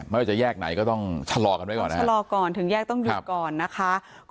ไม่ว่าจะแยกไหนก็ต้องชะลอกันไว้ก่อนนะชะลอก่อนถึงแยกต้องหยุดก่อนนะคะ